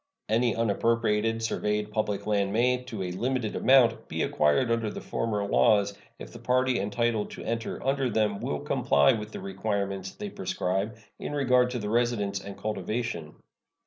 Any unappropriated surveyed public land may, to a limited amount, be acquired under the former laws if the party entitled to enter under them will comply with the requirements they prescribe in regard to the residence and cultivation.